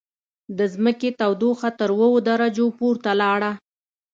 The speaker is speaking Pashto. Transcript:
د ځمکې تودوخه تر اووه درجو پورته لاړه.